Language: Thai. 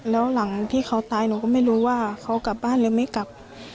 แล้วหลังที่เขาตายหนูก็ไม่รู้ว่าเขากลับบ้านหรือไม่กลับ